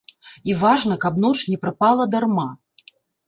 І важна, каб ноч не прапала дарма.